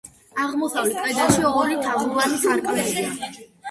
აღმოსავლეთ კედელში ორი თაღოვანი სარკმელია.